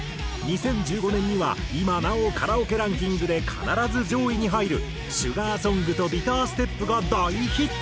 ２０１５年には今なおカラオケランキングで必ず上位に入る『シュガーソングとビターステップ』が大ヒット。